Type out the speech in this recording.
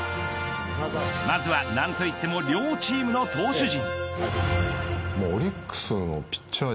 まずは何と言っても両チームの投手陣。